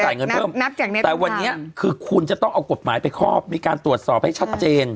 แต่ดังนั้นวันนี้คือคุณจะต้องเอากฎหมายไปครอบมีการตรวจสอบให้ชัดเจน